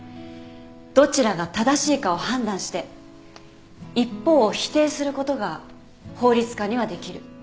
どちらが正しいかを判断して一方を否定することが法律家にはできる。